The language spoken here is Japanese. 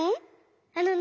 あのね